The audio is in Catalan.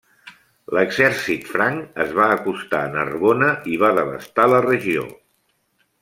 L'exèrcit franc es va acostar a Narbona i va devastar la regió.